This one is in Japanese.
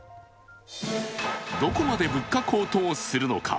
どこまで物価高騰するのか。